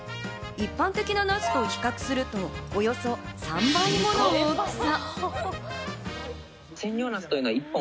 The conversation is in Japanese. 一般的な、なすと比較するとおよそ３倍もの大きさ。